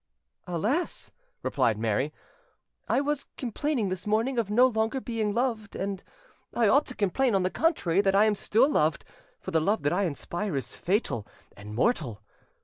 "Alas!" replied Mary, "I was complaining this morning of no longer being loved, and I ought to complain, on the contrary, that I am still loved; for the love that I inspire is fatal and mortal.